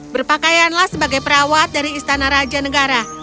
berpakaianlah sebagai perawat dari istana raja negara